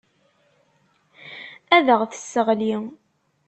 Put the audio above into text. Ad aɣ-tesseɣli.